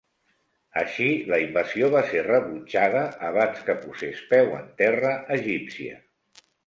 Així la invasió va ser rebutjada abans que posés peu en terra egípcia.